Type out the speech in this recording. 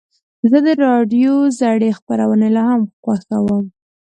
زه د راډیو زړې خپرونې لا هم خوښوم.